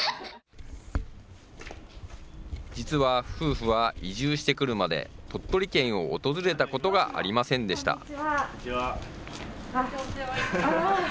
実は夫婦は移住してくるまで、鳥取県を訪れたことがありませんでした。